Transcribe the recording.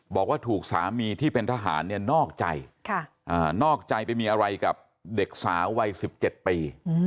บอกว่าถูกสามีที่เป็นทหารเนี่ยนอกใจนอกใจไปมีอะไรกับเด็กสาววัย๑๗ปี